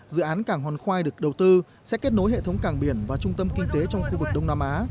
dự án cảng hòn khoai được đầu tư sẽ kết nối hệ thống cảng biển và trung tâm kinh tế trong khu vực đông nam á